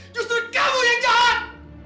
justru kamu yang jahat